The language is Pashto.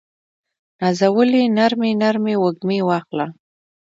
نازولې نرمې، نرمې وږمې واخله